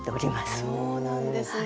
そうなんですね。